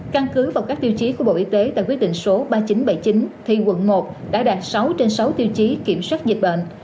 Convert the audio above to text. căn cứ vào các tiêu chí của bộ y tế tại quyết định số ba nghìn chín trăm bảy mươi chín thì quận một đã đạt sáu trên sáu tiêu chí kiểm soát dịch bệnh